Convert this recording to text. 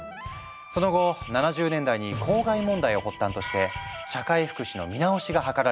その後７０年代に公害問題を発端として社会福祉の見直しが図られるように。